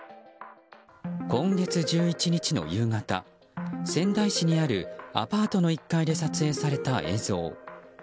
今月１１日の夕方仙台市にあるアパートの１階で撮影された映像。